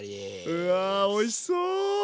うわおいしそう！